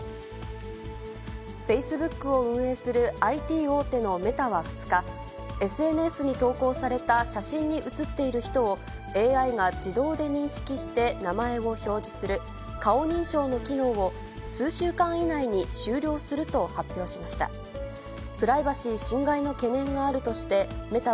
フェイスブックを運営するＩＴ大手のメタは２日、ＳＮＳに投稿された写真に写っている人を、ＡＩが自動で認識して名前を表示する顔認証の機能を、数週間以内に終了すると発表しました。